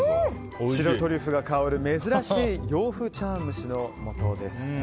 白トリュフが香る珍しい洋風茶碗むしの素です。